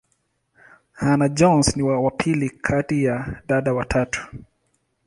Hannah-Jones ni wa pili kati ya dada watatu.